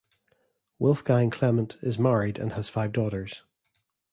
Wolfgang Clement is married and has five daughters.